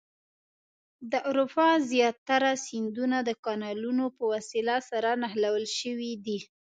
د اروپا زیاتره سیندونه د کانالونو په وسیله سره نښلول شوي دي.